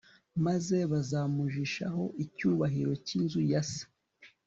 Maze bazamujishaho icyubahiro cy inzu ya se